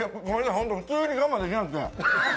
ホントに普通に我慢できないですね。